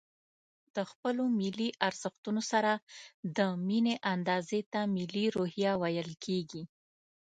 د خپلو ملي ارزښتونو سره د ميني اندازې ته ملي روحيه ويل کېږي.